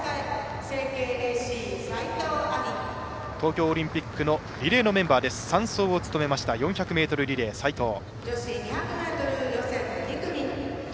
東京オリンピックのリレーのメンバーで３走を務めました４００ｍリレー、齋藤。